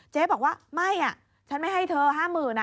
เจ๊บอกว่าไม่ฉันไม่ให้เธอ๕๐๐๐